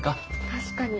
確かに。